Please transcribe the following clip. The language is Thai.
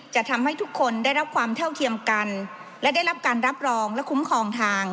จะทำให้ทุกคนได้รับความเท่าเทียมกันและได้รับการรับรองและคุ้มครองทาง